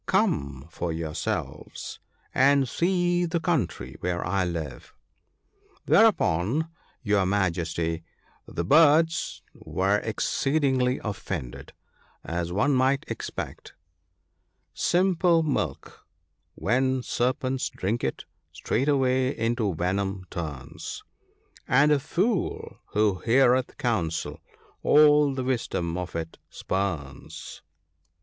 Come for yourselves, and see the country where I live." Thereupon, your Majesty, the birds were excedingly offended, as one might expect, —" Simple milk, when serpents drink it, straightway into venom turns ; And a fool who heareth counsel all the wisdom of it spurns.